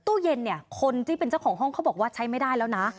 ตู้เย็นเนี่ยคนที่เป็นเจ้าของห้องเขาบอกว่าใช้ไม่ได้แล้วนะ